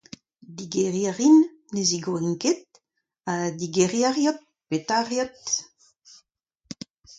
Digeriñ a rin, ne zigorin ket, ha digeriñ a reot, petra a reot.